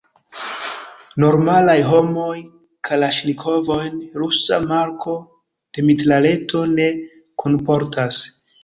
Normalaj homoj kalaŝnikovojn – rusa marko de mitraleto – ne kunportas.